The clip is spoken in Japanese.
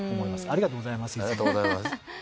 ありがとうございます。